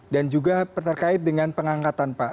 dan juga terkait dengan pengangkatan pak